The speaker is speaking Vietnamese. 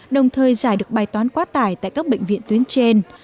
đồng thời giải được bài toán quá tải tại các bệnh viện tuyến trên